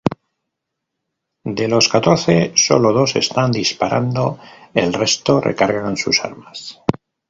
De los catorce sólo dos están disparando, el resto recargan sus armas.